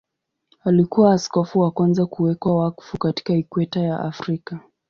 Alikuwa askofu wa kwanza kuwekwa wakfu katika Ikweta ya Afrika.